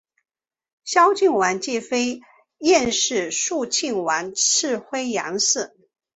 肃靖王继妃晏氏肃靖王次妃杨氏